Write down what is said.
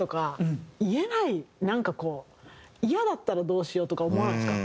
イヤだったらどうしようとか思わないですか？